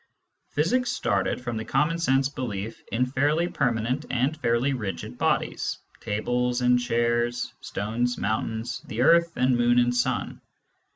Physics started from the common sense belief in fairly permanent and fairly rigid bodies — tables and chairs, stones, mountains, the earth and moon and sun.